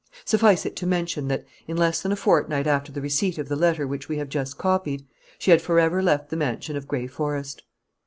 Suffice it to mention that, in less than a fortnight after the receipt of the letter which we have just copied, she had forever left the mansion of Gray Forest.